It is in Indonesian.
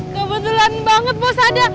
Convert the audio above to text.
kebetulan banget bos ada